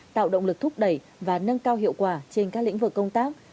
tạo động lực thúc đẩy và nâng cao hiệu quả trên các lĩnh vực công tác